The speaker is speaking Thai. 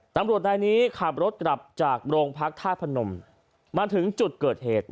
ตำรวจนายนี้ขับรถกลับจากโรงพักธาตุพนมมาถึงจุดเกิดเหตุ